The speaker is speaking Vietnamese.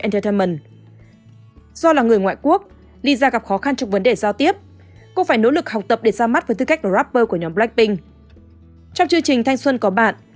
và quỹ giao lưu văn hóa quốc tế hàn quốc